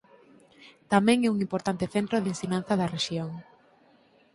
Tamén é un importante centro de ensinanza da rexión.